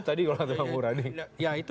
tadi kalau tidak mengurangi ya itu